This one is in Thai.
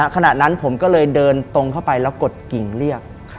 ขณะนั้นผมก็เลยเดินตรงเข้าไปแล้วกดกิ่งเรียก